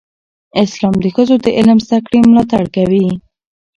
اسلام د ښځو د علم زده کړې ملاتړ کوي.